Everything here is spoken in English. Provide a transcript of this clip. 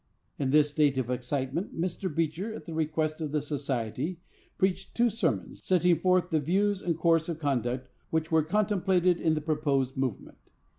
In this state of excitement, Mr. Beecher, at the request of the society, preached two sermons, setting forth the views and course of conduct which were contemplated in the proposed movement.